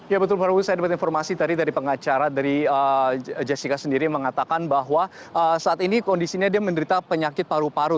ya betul baru saya dapat informasi tadi dari pengacara dari jessica sendiri mengatakan bahwa saat ini kondisinya dia menderita penyakit paru paru